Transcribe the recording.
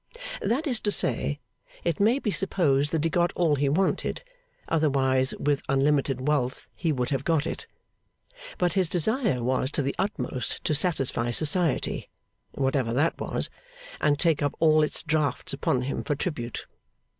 That is to say, it may be supposed that he got all he wanted, otherwise with unlimited wealth he would have got it. But his desire was to the utmost to satisfy Society (whatever that was), and take up all its drafts upon him for tribute.